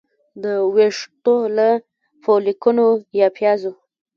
د ویښتو له فولیکونو یا پیازو